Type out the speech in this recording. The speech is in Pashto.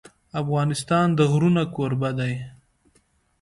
افغانستان د غرونه کوربه دی.